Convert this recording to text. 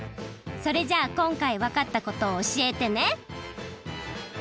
それじゃあこんかいわかったことをおしえてね。